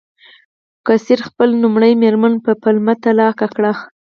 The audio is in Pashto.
قیصر خپله لومړۍ مېرمن په پلمه طلاق کړه